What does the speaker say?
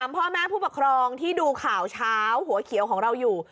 พ่อแม่ผู้ปกครองที่ดูข่าวเช้าหัวเขียวของเราอยู่